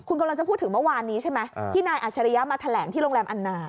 คุณกำลังจะพูดถึงเมื่อวานนี้ใช่ไหมที่นายอัชริยะมาแถลงที่โรงแรมอันนา